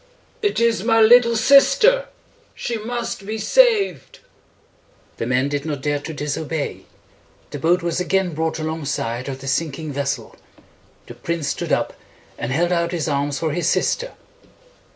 "It is my little sister. She must be saved!" The men did not dare to disobey. The boat was again brought along side of the sinking vessel. The prince stood up, and held out his arms for his sister.